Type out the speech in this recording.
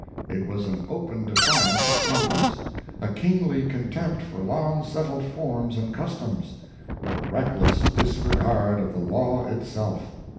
It was an open defiance of Congress—a kingly contempt for long settled forms and customs—a reckless disregard of law itself!